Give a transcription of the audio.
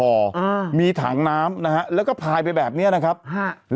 อ่ามีถังน้ำนะฮะแล้วก็พายไปแบบเนี้ยนะครับฮะ